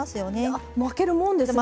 あっ巻けるもんですね！